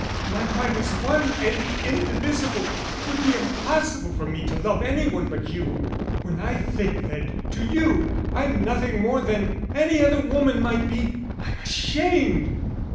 My heart is one and indivisible; it would be impossible for me to love any one but you.... When I think that to you I'm nothing more than any other woman might be, I'm ashamed."